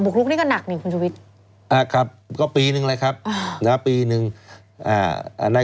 ๗ข้อหาบุกลุกนี่ก็หนักนี่คุณชุวิต